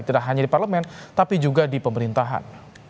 tidak hanya di parlemen tapi juga di pemerintahan